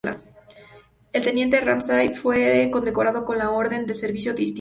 El teniente Ramsay fue condecorado con la Orden del Servicio Distinguido.